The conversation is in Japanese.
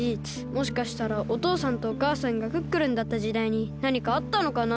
もしかしたらおとうさんとおかあさんがクックルンだったじだいになにかあったのかな？